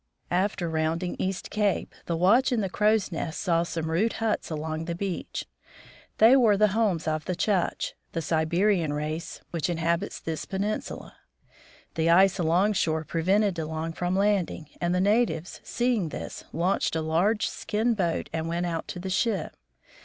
After rounding East cape, the watch in the crow's nest saw some rude huts along the beach. They were the homes of the Tchuk tches, the Siberian race which inhabits this peninsula. The ice alongshore prevented De Long from landing, and the natives, seeing this, launched a large skin boat and went out to the ship.